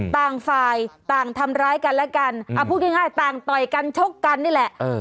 ต่างฝ่ายต่างทำร้ายกันและกันพูดง่ายต่างต่อยกันชกกันนี่แหละ